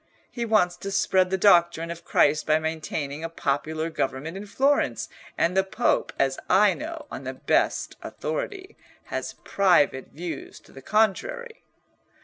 He wants to spread the doctrine of Christ by maintaining a popular government in Florence, and the Pope, as I know, on the best authority, has private views to the contrary."